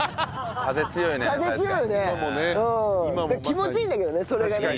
気持ちいいんだけどねそれがね。